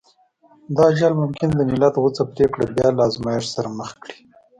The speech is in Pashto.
دا جال ممکن د ملت غوڅه پرېکړه بيا له ازمایښت سره مخ کړي.